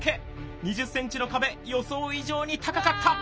２０ｃｍの壁予想以上に高かった！